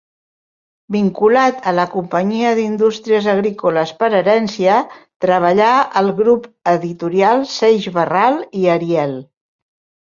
Vinculat a la Companyia d'Indústries Agrícoles per herència, treballà al grup editorial Seix-Barral i Ariel.